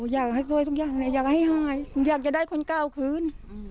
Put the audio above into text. อยากให้ลดอยากให้หายอยากจะได้คนก้าวขึ้น